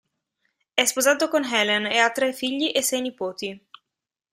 È sposato con Helen e ha tre figli e sei nipoti.